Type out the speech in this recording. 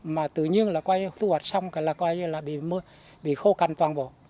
mà tự nhiên là khu hoạch xong là bị khô cành toàn bộ